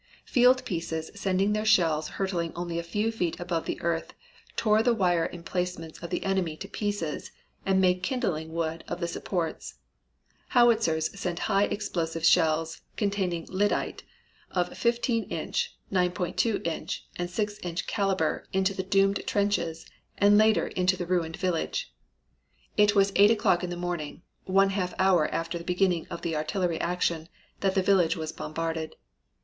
Field pieces sending their shells hurtling only a few feet above the earth tore the wire emplacements of the enemy to pieces and made kindling wood of the supports. Howitzers sent high explosive shells, containing lyddite, of 15 inch, 9.2 inch and 6 inch caliber into the doomed trenches and later into the ruined village. It was eight o'clock in the morning, one half hour after the beginning of the artillery action, that the village was bombarded.